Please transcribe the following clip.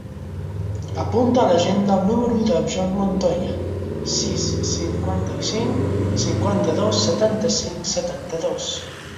Apunta a l'agenda el número del Bjorn Montoya: sis, cinquanta-cinc, cinquanta-dos, setanta-cinc, setanta-dos.